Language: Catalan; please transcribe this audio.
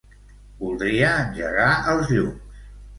Voldria engegar els llums.